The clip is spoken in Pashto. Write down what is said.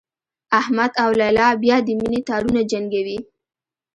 احمد او لیلا بیا د مینې تارونه جنګوي